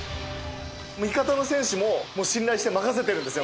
味方の選手も信頼して任せてるんです